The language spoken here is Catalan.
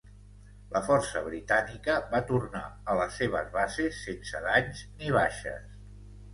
La força britànica va tornar a les seves bases sense danys ni baixes.